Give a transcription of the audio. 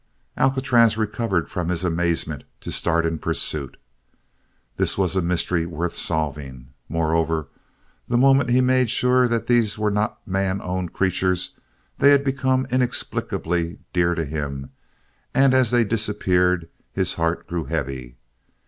Alcatraz recovered from his amazement to start in pursuit. This was a mystery worth solving. Moreover, the moment he made sure that these were not man owned creatures they had become inexplicably dear to him and as they disappeared his heart grew heavy.